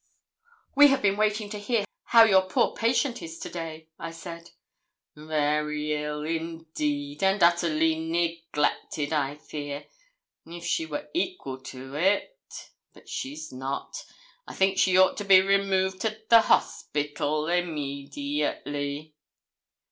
'We have been waiting to hear how your poor patient is to day?' I said. 'Very ill, indeed, and utterly neglected, I fear. If she were equal to it but she's not I think she ought to be removed to the hospital immediately.'